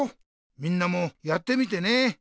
みんなもやってみてね。